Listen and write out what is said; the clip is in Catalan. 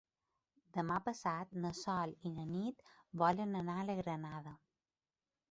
Demà passat na Sol i na Nit volen anar a la Granada.